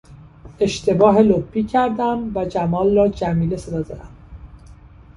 اشتباه لپی کردم و جمال را جمیله صدا زدم.